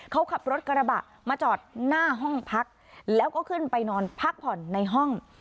เขาขับรถกระบะมาจอดหน้าห้องพักแล้วก็ขึ้นไปนอนพักผ่อนในห้อง